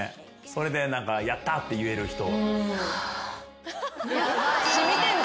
それでやった！って言える人。